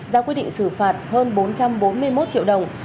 ra quyết định xử phạt hơn bốn trăm bốn mươi một triệu đồng